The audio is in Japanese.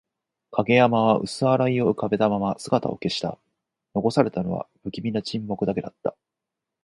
影山は薄笑いを浮かべたまま姿を消した。残されたのは、不気味な沈黙だけだった。